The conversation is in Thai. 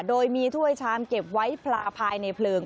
โดยมีถ้วยชามเก็บไว้พลาภายในเพลิง